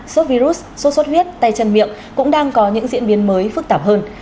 sốt virus sốt sốt viết tay chân miệng cũng đang có những diễn biến mới phức tạp hơn